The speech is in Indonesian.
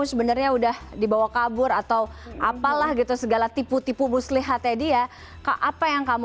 sebenarnya udah dibawa kabur atau apalah gitu segala tipu tipu muslihatnya dia apa yang kamu